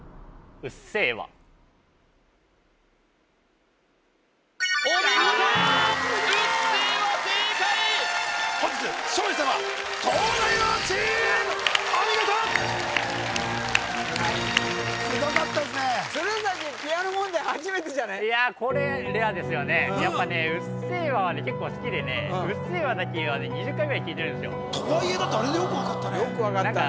「うっせぇわ」はね結構好きでねとはいえだってあれでよく分かったね